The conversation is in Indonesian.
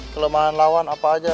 kelemahan lawan apa aja